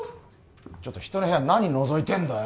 ちょっと人の部屋何のぞいてんだよ